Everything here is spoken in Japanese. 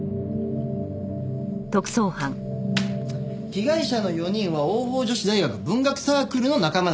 被害者の４人は桜朋女子大学文学サークルの仲間だったそうです。